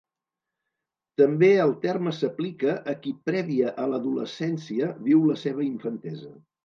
També el terme s'aplica a qui prèvia a l'adolescència viu la seva infantesa.